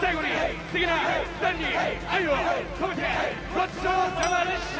・ごちそうさまでした。